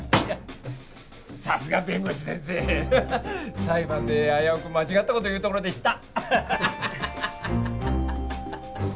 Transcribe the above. さすが弁護士先生裁判で危うく間違ったこと言うところでした